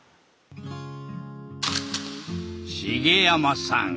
茂山さん